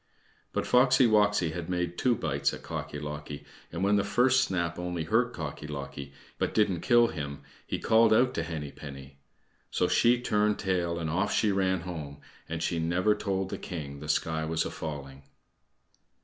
But Foxy woxy had made two bites at Cocky locky, and when the first snap only hurt Cocky locky, but didn't kill him, he called out to Henny penny. So she turned tail and off she ran home, and she never told the king the sky was a falling.